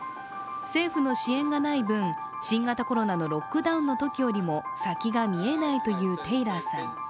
政府の支援がない分、新型コロナのロックダウンのときよりも先が見えないというテイラーさん。